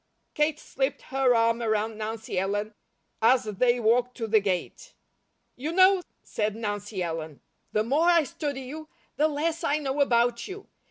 Kate slipped her arm around Nancy Ellen as they walked to the gate. "You know," said Nancy Ellen, "the MORE I study you, the LESS I know about you.